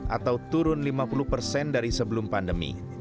atau turun lima puluh persen dari sebelum pandemi